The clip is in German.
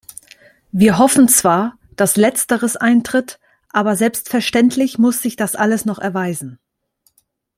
Wir hoffen zwar, dass Letzteres eintritt, aber selbstverständlich muss sich das alles noch erweisen.